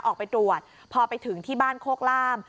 ออกไปตรวจพอไปถึงที่บ้านโคกล่าม